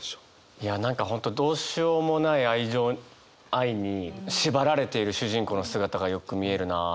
いや何か本当どうしようもない愛情愛に縛られている主人公の姿がよく見えるなと。